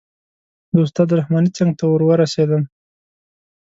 د استاد رحماني څنګ ته ور ورسېدم.